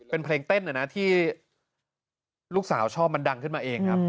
เป็นเพลงเต้นนะที่ลูกสาวชอบมันดังขึ้นมาเองครับ